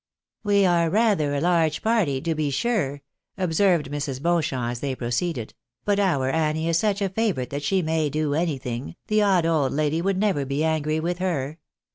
" We are rather a large party, to be sure," observed Mrs, KISK OF POST MORTEM AEUSE. 189 Beauchamp, as they proceeded ;" but our Annie is such a favourite that she may do anything, the odd old lady would never be angry with her.